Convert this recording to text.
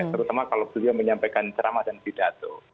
terutama kalau beliau menyampaikan ceramah dan pidato